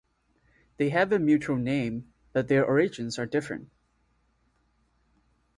They have a mutual name but their origins are different.